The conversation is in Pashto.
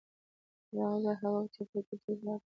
د دغه ځای هوا او چاپېریال ډېر جذاب دی.